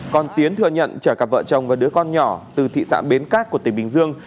còn tiến thừa nhận chở cặp vợ chồng và đứa con nhỏ từ thị xã bến cát của tỉnh bình dương